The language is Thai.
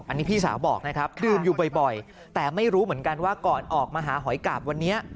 อันนี้พี่สาวบอกนะครับดื่มอยู่บ่อยแต่ไม่รู้เหมือนกันว่าก่อนออกมาหาหอยกาบวันนี้